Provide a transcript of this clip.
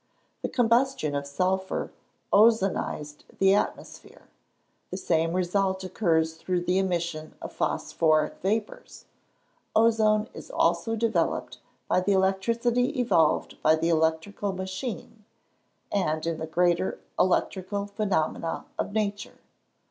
The combustion of sulphur ozonised the atmosphere; the same result occurs through the emission of phosphoric vapours; ozone is also developed by the electricity evolved by the electrical machine, and in the greater electrical phenomena of nature.